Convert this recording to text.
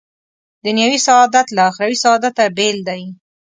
دنیوي سعادت له اخروي سعادته بېل دی.